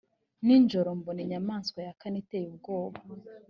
nijoro mbona inyamaswa ya kane iteye ubwoba